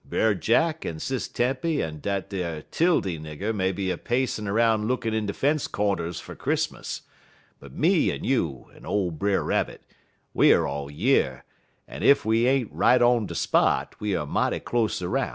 Brer Jack and Sis Tempy en dat ar 'Tildy nigger may be a pacin' 'roun' lookin' in de fence cornders fer Chris'mus, but me en you en ole Brer Rabbit, we er all yer, en ef we ain't right on de spot, we er mighty close erroun'.